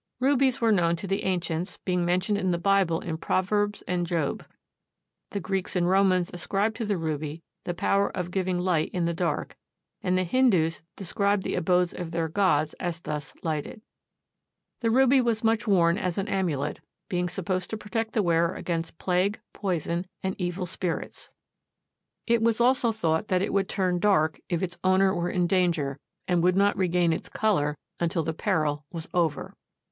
Rubies were known to the ancients, being mentioned in the Bible in Proverbs and Job. The Greeks and Romans ascribed to the ruby the power of giving light in the dark, and the Hindoos describe the abodes of their gods as thus lighted. The ruby was much worn as an amulet, being supposed to protect the wearer against plague, poison and evil spirits. It was also thought that it would turn dark if its owner were in danger and would not regain its color until the peril was over.